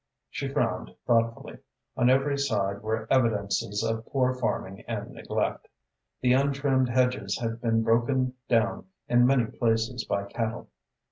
She frowned thoughtfully. On every side were evidences of poor farming and neglect. The untrimmed hedges had been broken down in many places by cattle.